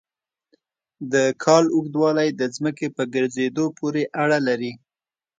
د کال اوږدوالی د ځمکې په ګرځېدو پورې اړه لري.